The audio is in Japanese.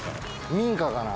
民家かな